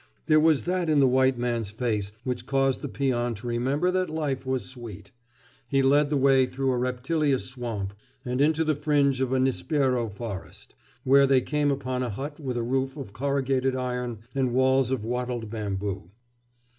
There was that in the white man's face which caused the peon to remember that life was sweet. He led the way through a reptilious swamp and into the fringe of a nispero forest, where they came upon a hut with a roof of corrugated iron and walls of wattled bamboo.